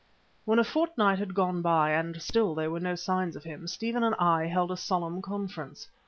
When a fortnight had gone by and still there were no signs of him, Stephen and I held a solemn conference.